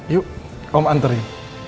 yuk om anterin